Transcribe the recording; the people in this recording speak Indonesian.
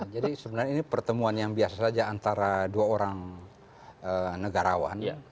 jadi sebenarnya ini pertemuan yang biasa saja antara dua orang negarawan